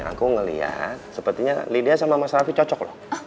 aku ngeliat sepertinya lydia sama mas rafi cocok loh